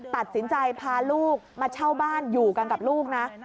ตัดสินใจพาลูกมาเช่าบ้านอยู่กันกับลูกนะ